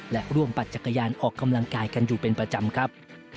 และร่วมปัจจักรยานออกกำลังกายกันอยู่เป็นประจำครับ